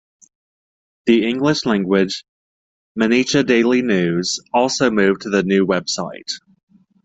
The English-language "Mainichi Daily News" also moved to the new website.